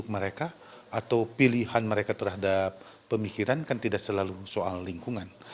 mereka atau pilihan mereka terhadap pemikiran kan tidak selalu soal lingkungan